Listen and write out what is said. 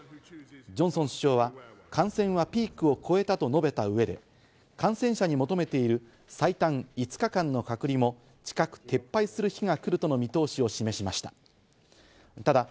ジョンソン首相は、感染はピークを越えたと述べた上で、感染者に求めている最短５日間の隔離も近く撤廃する日が来るとの見通しを示しました。